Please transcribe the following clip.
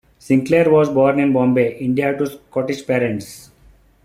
Sinclair was born in Bombay, India to Scottish parents.